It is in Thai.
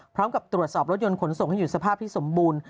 พร้อมกับตรวจสอบรถยนต์ขนส่งให้อยู่สภาพที่สมบูรณ์